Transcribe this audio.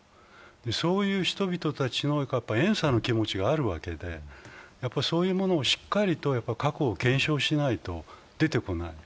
そういう人々たちの怨嗟の気持ちがあるわけでそういうものをしっかりと過去を検証しないと出てこない。